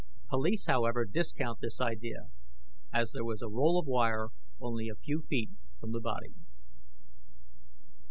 Police, however, discount this idea, as there was a roll of wire only a few feet from the body.